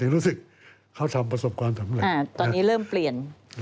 รู้สึกเขาทำประสบความสำเร็จ